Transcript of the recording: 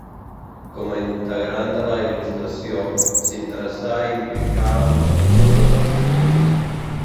Com a integrant de la Il·lustració, s'interessà i implica amb els pensadors del seu temps.